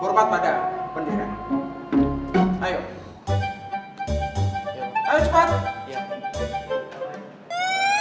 hormat pada pendidikan